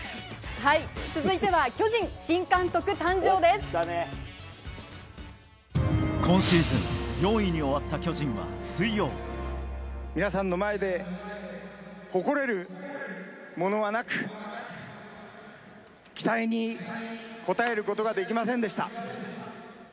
続いては巨人、新監督誕生で今シーズン、４位に終わった皆さんの前で誇れるものはなく、期待に応えることができませんでした。